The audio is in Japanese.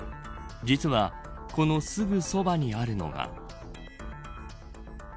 実は、このすぐそばにあるのが。